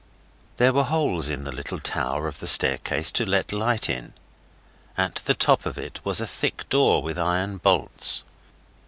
There were holes in the little tower of the staircase to let light in. At the top of it was a thick door with iron bolts.